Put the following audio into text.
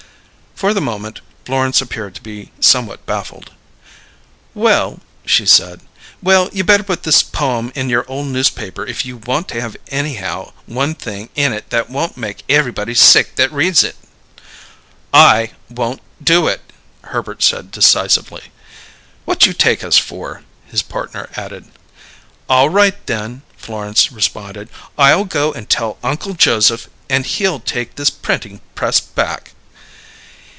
For the moment, Florence appeared to be somewhat baffled. "Well," she said. "Well, you better put this poem in your ole newspaper if you want to have anyhow one thing in it that won't make everybody sick that reads it." "I won't do it!" Herbert said decisively. "What you take us for?" his partner added. "All right, then," Florence responded. "I'll go and tell Uncle Joseph and he'll take this printing press back."